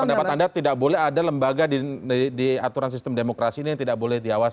pendapat anda tidak boleh ada lembaga di aturan sistem demokrasi ini yang tidak boleh diawasi